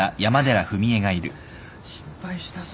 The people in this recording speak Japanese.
心配したぞ。